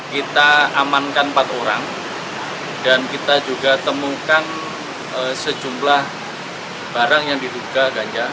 kita amankan empat orang dan kita juga temukan sejumlah barang yang diduga ganja